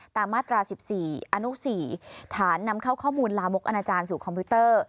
มาตรา๑๔อนุ๔ฐานนำเข้าข้อมูลลามกอนาจารย์สู่คอมพิวเตอร์